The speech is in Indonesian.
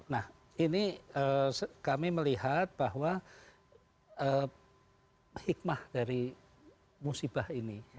nah ini kami melihat bahwa hikmah dari musibah ini